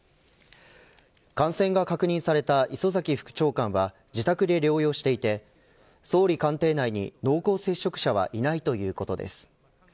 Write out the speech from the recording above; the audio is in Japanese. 感染が確認された磯崎副長官は自宅で療養していて総理官邸内に、濃厚接触者はいないということです。